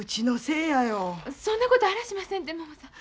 そんなことあらしませんてももさん。